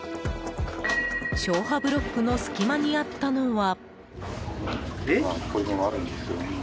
消波ブロックの隙間にあったのは。